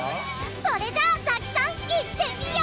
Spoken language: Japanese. それじゃあザキさんいってみよう！